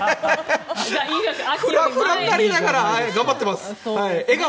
フラフラになりながら頑張ってます。